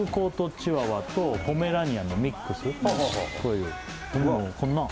チワワとポメラニアンのミックスこういうこんなん